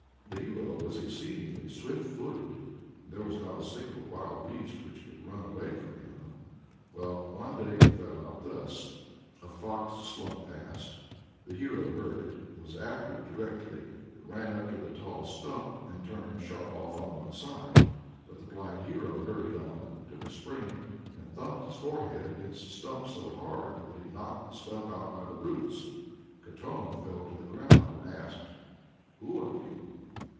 The hero was exceedingly swift footed, and there was not a single wild beast which could run away from him. Well, one day it fell out thus. A fox slunk past; the hero heard it, and was after it directly. It ran up to the tall stump, and turned sharp off on one side; but the blind hero hurried on, took a spring, and thumped his forehead against the stump so hard that he knocked the stump out by the roots. Katoma fell to the ground, and asked: "Who are you?"